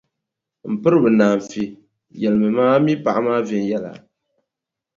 M piriba Nanfi, yɛlimi ma, a mi paɣa maa viɛnyɛla?